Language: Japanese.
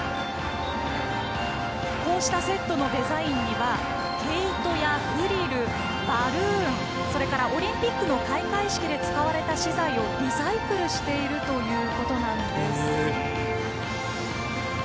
こうしたセットのデザインには、毛糸やフリルバルーン、それからオリンピックの開会式で使われた資材をリサイクルしているということなんです。